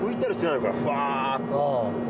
ふわっと。